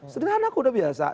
sederhana aku udah biasa